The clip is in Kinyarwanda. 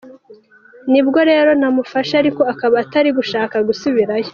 Nibwo rero namufashe ariko akaba atari gushaka gusubirayo”.